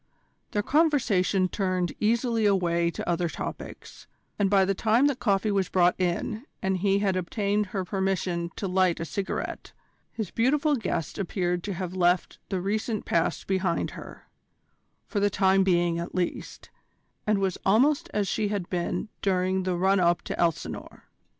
Their conversation turned easily away to other topics, and by the time that coffee was brought in and he had obtained her permission to light a cigarette, his beautiful guest appeared to have left the recent past behind her, for the time being at least, and was almost as she had been during the run up to Elsinore.